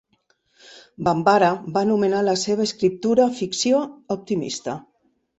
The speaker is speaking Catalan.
Bambara va anomenar la seva escriptura ficció "optimista".